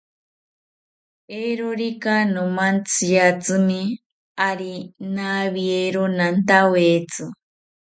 Eeerorika nomantziatzimi, ari nawiero nantawetzi